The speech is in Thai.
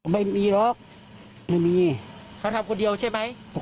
ไม่มีหรอกไม่มีเขาทำคนเดียวใช่ไหม